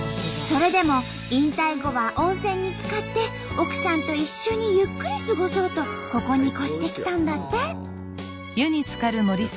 それでも引退後は温泉につかって奥さんと一緒にゆっくり過ごそうとここに越してきたんだって。